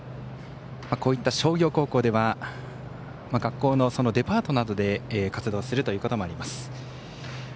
こういった商業高校では学校のデパートなどで活動するということもあります。